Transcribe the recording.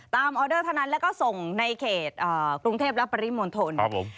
ตามออเดอร์เท่านั้นแล้วก็ส่งในเขตกรุงเทพรับปริมทน